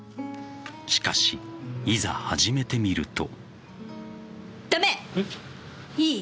しかし、いざ始めてみると。